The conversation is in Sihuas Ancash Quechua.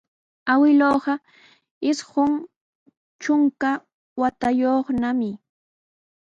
Awkilluuqa isqun trunka watayuqnami.